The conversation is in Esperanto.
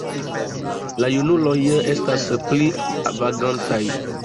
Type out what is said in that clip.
La junuloj estas pli vagantaj.